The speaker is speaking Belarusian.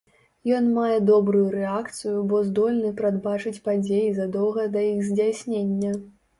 Ён мае добрую рэакцыю, бо здольны прадбачыць падзеі задоўга да іх здзяйснення.